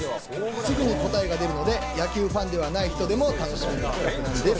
すぐに答えが出るので、野球ファンではない人でも楽しめる企画なんです。